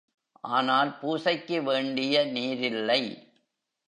ஆனால் பூசைக்கு வேண்டிய நீரில்லை.